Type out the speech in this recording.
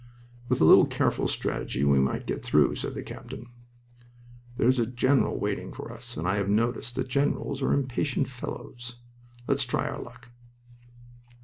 "With a little careful strategy we might get through," said the captain. "There's a general waiting for us, and I have noticed that generals are impatient fellows. Let's try our luck."